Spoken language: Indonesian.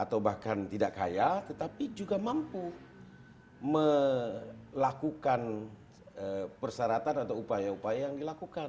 atau bahkan tidak kaya tetapi juga mampu melakukan persyaratan atau upaya upaya yang dilakukan